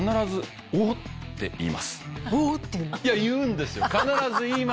いや言うんですよ！